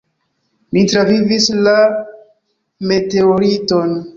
"Ni travivis la meteoriton."